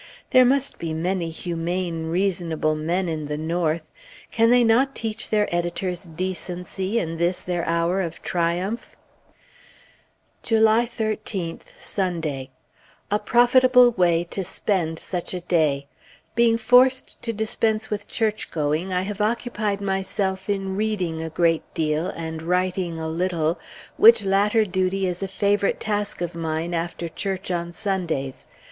There must be many humane, reasonable men in the North; can they not teach their editors decency in this their hour of triumph? [Illustration: JAMES MORRIS MORGAN] July 13th, Sunday. A profitable way to spend such a day! Being forced to dispense with church going, I have occupied myself in reading a great deal, and writing a little, which latter duty is a favorite task of mine after church on Sundays.